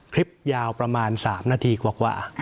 คลิปยาวประมาณ๓นาทีกว่า